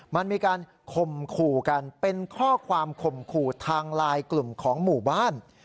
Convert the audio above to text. มันมีการข่มขู่กันเป็นข้อความข่มขู่ทางไลน์กลุ่มของหมู่บ้าน